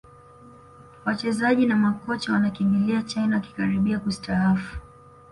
wachezaji na makocha wanakimbilia china wakikaribia kustaafu